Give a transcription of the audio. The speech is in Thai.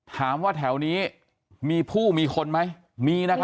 ถามว่าแถวนี้มีผู้มีคนไหมมีนะครับ